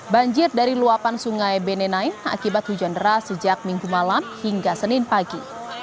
banjir dari luapan sungai benenai akibat hujan deras sejak minggu malam hingga senin pagi